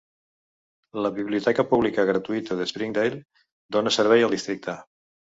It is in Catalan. La biblioteca pública gratuïta de Springdale dóna servei al districte.